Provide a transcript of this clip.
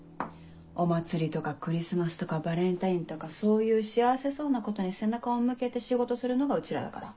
お祭りとかクリスマスとかバレンタインとかそういう幸せそうなことに背中を向けて仕事するのがうちらだから。